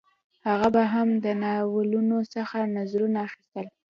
هغه به هم له ناولونو څخه نظرونه اخیستل